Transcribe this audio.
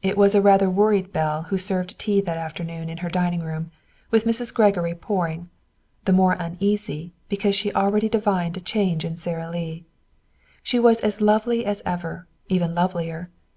It was rather a worried Belle who served tea that afternoon in her dining room, with Mrs. Gregory pouring; the more uneasy, because already she divined a change in Sara Lee. She was as lovely as ever, even lovelier.